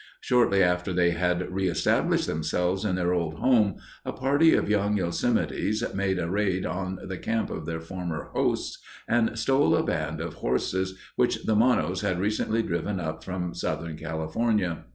Shortly after they had reëstablished themselves in their old home, a party of young Yosemites made a raid on the camp of their former hosts and stole a band of horses which the Monos had recently driven up from southern California.